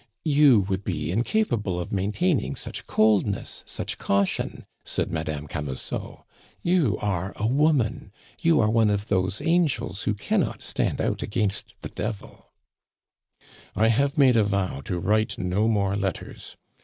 "You would be incapable of maintaining such coldness, such caution," said Madame Camusot. "You are a woman; you are one of those angels who cannot stand out against the devil " "I have made a vow to write no more letters.